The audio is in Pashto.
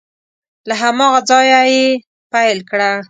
له هماغه ځایه یې پیل کړه